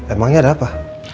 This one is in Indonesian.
emangnya ada apa